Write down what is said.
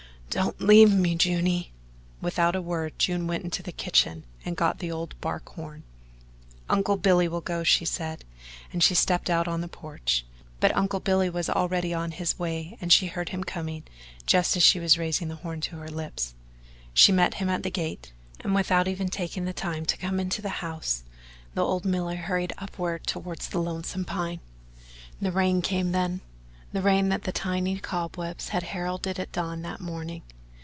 "Don't leave me, Juny." Without a word June went into the kitchen and got the old bark horn. "Uncle Billy will go," she said, and she stepped out on the porch. But Uncle Billy was already on his way and she heard him coming just as she was raising the horn to her lips. She met him at the gate, and without even taking the time to come into the house the old miller hurried upward toward the Lonesome Pine. The rain came then the rain that the tiny cobwebs had heralded at dawn that morning.